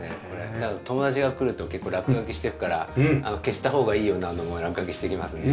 だから友達が来ると結構落書きしていくから消したほうがいいようなのも落書きしていきますので。